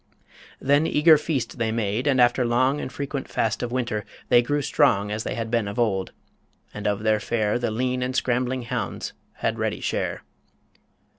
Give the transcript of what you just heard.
Then eager feast they made; and after long And frequent fast of winter, they grew strong As they had been of old. And of their fare The lean and scrambling hounds had ready share.